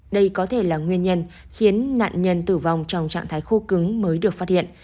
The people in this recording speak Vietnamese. đây có thể là nguyên nhân khiến nạn nhân tử vong trong trạng thái khô cứng mới được phát hiện